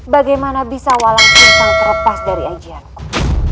bagaimana bisa walang sungsang terlepas dari ajenku